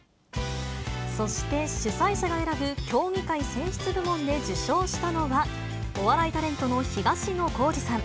そして、主催者が選ぶ協議会選出部門で受賞したのは、お笑いタレントの東野幸治さん。